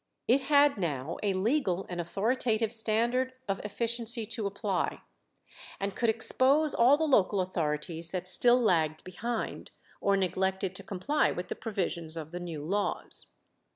It had now a legal and authoritative standard of efficiency to apply, and could expose all the local authorities that still lagged behind, or neglected to comply with the provisions of the new laws.